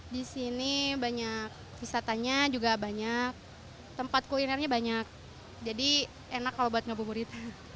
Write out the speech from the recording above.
di sini banyak wisatanya juga banyak tempat kulinernya banyak jadi enak kalau buat ngabuburit